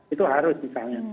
itu harus misalnya